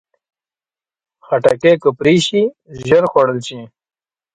خټکی که پرې شي، ژر خوړل شي.